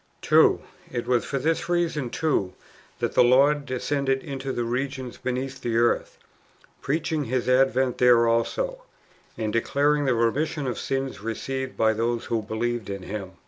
2. It was for this reason, too, that the Lord descended? into the regions beneath the earth, preaching His advent there also, and [declaring] the remission of sins received by those who believe in Him.